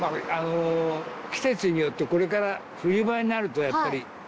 季節によってこれから冬場になるとやっぱり。